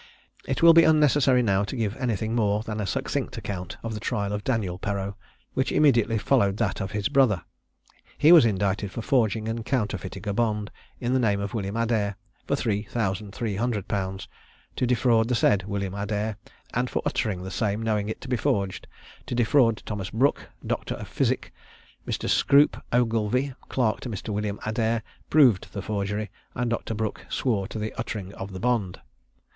It will be unnecessary now to give anything more than a succinct account of the trial of Daniel Perreau, which immediately followed that of his brother. He was indicted for forging and counterfeiting a bond, in the name of William Adair, for three thousand three hundred pounds, to defraud the said William Adair, and for uttering the same knowing it to be forged, to defraud Thomas Brooke, doctor of physic. Mr. Scroope Ogilvie, clerk to Mr. William Adair, proved the forgery; and Dr. Brooke swore to the uttering of the bond.